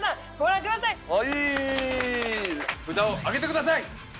札を上げてください！